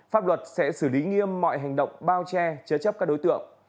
pháp luật sẽ xử lý nghiêm mọi hành động bao che chế chấp các đối tượng